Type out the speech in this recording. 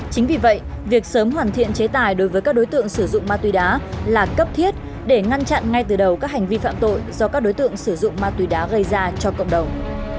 chính vì vậy việc sớm hoàn thiện chế tài đối với các đối tượng sử dụng ma túy đá là cấp thiết để ngăn chặn ngay từ đầu các hành vi phạm tội do các đối tượng sử dụng ma túy đá gây ra cho cộng đồng